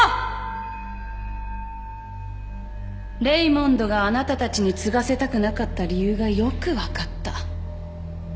レイモンドがあなたたちに継がせたくなかった理由がよく分かった。